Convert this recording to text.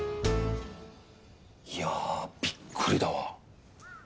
いやあびっくりだわ。